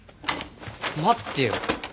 待ってよ。